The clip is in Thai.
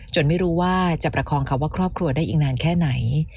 ไม่รู้ว่าจะประคองคำว่าครอบครัวได้อีกนานแค่ไหน